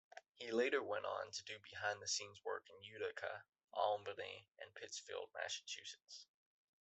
He later went on to do behind-the-scenes work in Utica, Albany and Pittsfield, Massachusetts.